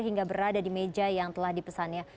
hingga berada di meja yang telah dipesannya